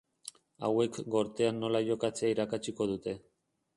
Hauek Gortean nola jokatzea irakatsiko dute.